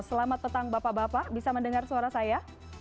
selamat petang bapak bapak bisa mendengar suara saya